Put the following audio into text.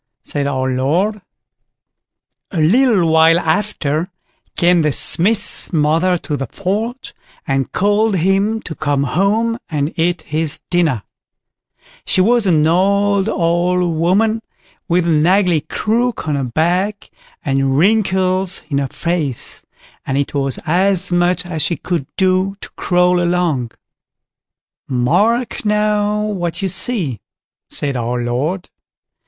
said our Lord. A little while after came the Smith's mother to the forge, and called him to come home and eat his dinner; she was an old, old woman with an ugly crook on her back, and wrinkles in her face, and it was as much as she could do to crawl along. "Mark now, what you see", said our Lord.